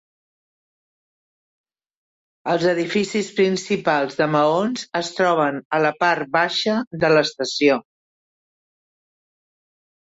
Els edificis principals de maons es troben a la part baixa de l'estació.